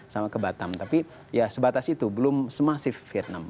sama ke batam tapi ya sebatas itu belum semasif vietnam